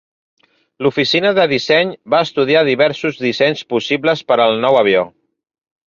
L'oficina de disseny va estudiar diversos dissenys possibles per al nou avió.